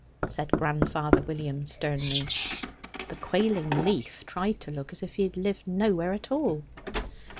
said grandfather William sternly. The quailing Leaf tried to look as if he had lived nowhere at all.